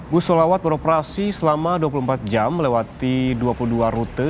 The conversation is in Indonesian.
bus solawat beroperasi selama dua puluh empat jam melewati dua puluh dua rute